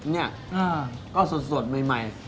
เนี่ยก็สดใหม่